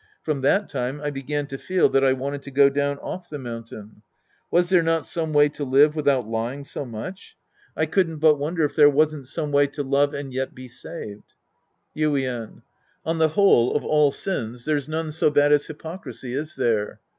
From that time I began to feel that I wanted to go down off the mountain. Was there not some way to live wthout lying so much ? I couldn't 76 The Priest and His Disciples Act II but wonder if there wasn't some way to love and yet be saved. Yiden. On the whole, of all sins, there's none so bad as hyprocrisy, is there